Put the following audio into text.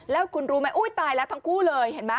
แล้วคุณรู้ไหมอุ้ยตายแล้วทั้งคู่เลยเห็นไหม